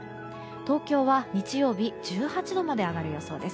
東京は日曜日１８度まで上がる予想です。